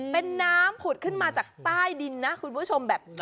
เป็นน้ำผุดขึ้นมาจากใต้ดินนะคุณผู้ชมแบบ